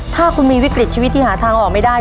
ถ้าคุณมีวิกฤตชีวิตที่หาทางออกไม่ได้